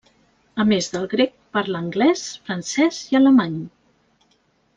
A més del grec, parla anglès, francès i alemany.